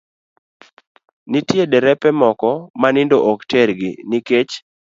Nitie derepe moko ma nindo ok tergi nikech